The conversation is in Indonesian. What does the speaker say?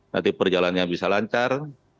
nanti perjalannya bisa lancar